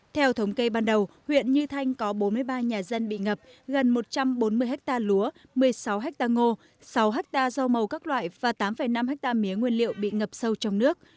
theo thống kê ban đầu huyện như thanh có bốn mươi ba nhà dân bị ngập gần một trăm bốn mươi ha lúa một mươi sáu ha ngô sáu ha rau màu các loại và tám năm ha mía nguyên liệu bị ngập sâu trong nước